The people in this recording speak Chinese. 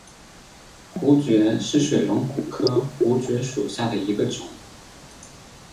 槲蕨是水龙骨科槲蕨属下的一个种。